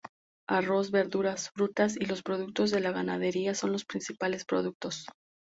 Arroz, verduras, frutas y los productos de la ganadería son los principales productos.